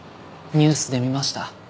ニュースで見ました。